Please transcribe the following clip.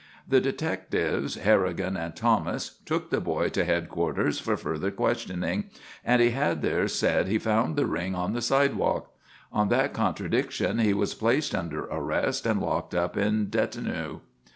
The detectives Harrigan and Thomas took the boy to headquarters for further questioning, and he had there said he found the ring on the sidewalk. On that contradiction he was placed under arrest and locked up in detinue.